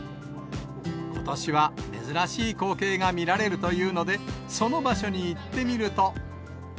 ことしは珍しい光景が見られるというので、その場所に行ってみると。